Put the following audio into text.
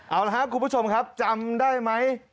เอาละครับคุณผู้ชมครับจำได้ไหม